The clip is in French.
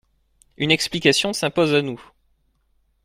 Une explication s’impose à nous.